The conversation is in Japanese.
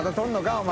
お前。